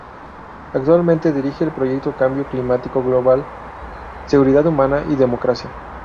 Actualmente dirige el proyecto Cambio Climático Global, Seguridad Humana y Democracia.